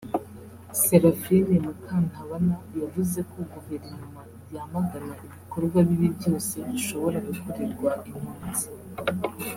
Seraphine Mukantabana yavuze ko guverinoma yamagana ibikorwa bibi byose bishobora gukorerwa impunzi